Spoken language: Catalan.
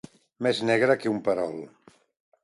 Més negre que un perol.